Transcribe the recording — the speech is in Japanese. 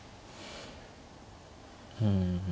うん。